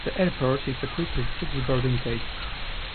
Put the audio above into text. The airport is equipped with six boarding gates.